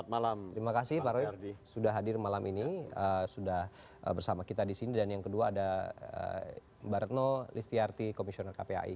terima kasih juga untuk teman teman yang sudah bersama kita disini dan yang kedua ada mbak retno listiarti komisioner kpai